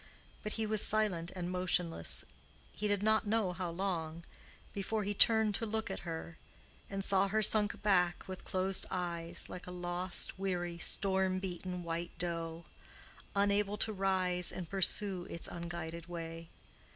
But he was silent and motionless—he did not know how long—before he turned to look at her, and saw her sunk back with closed eyes, like a lost, weary, storm beaten white doe, unable to rise and pursue its unguided way.